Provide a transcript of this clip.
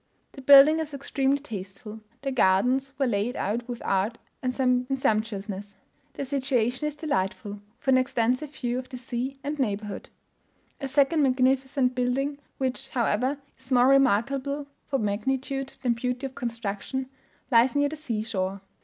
The building is extremely tasteful. The gardens were laid out with art and sumptuousness. The situation is delightful, with an extensive view of the sea and neighbourhood. A second magnificent building, which, however, is more remarkable for magnitude than beauty of construction, lies near the sea shore.